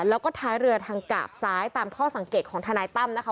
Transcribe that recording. แล้วก็ท้ายเรือทางกาบซ้ายตามข้อสังเกตของทนายตั้มนะคะ